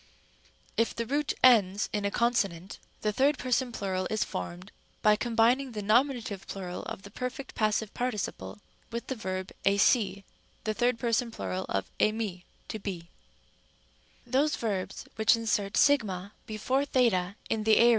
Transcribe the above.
If the root ends in a consonant, the third person plural is formed by combining the nominative plural of the perfect. passive parti ciple and the verb εἰσί, the third person plural of εἰμί, to be. Rem. b. Those verbs which insert ¢ before θ in the aor.